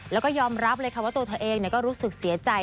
แล้วก็ยอมรับเลยค่ะว่าตัวเธอเองก็รู้สึกเสียใจ